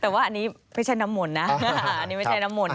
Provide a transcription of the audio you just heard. แต่ว่าอันนี้ไม่ใช่น้ำหมนนะ